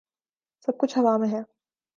سب کچھ ہوا میں ہے۔